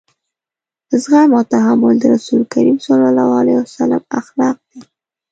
زغم او تحمل د رسول کريم صلی الله علیه وسلم اخلاق دي.